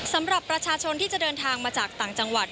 สำหรับประชาชนที่จะเดินทางมาจากต่างจังหวัด